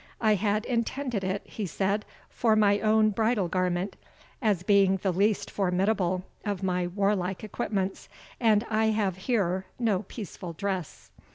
"I had intended it," he said, "for my own bridal garment, as being the least formidable of my warlike equipments, and I have here no peaceful dress."